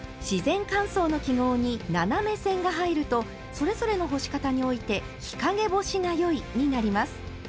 自然乾燥の記号に斜め線が入るとそれぞれの干し方において「日陰干しがよい」になります。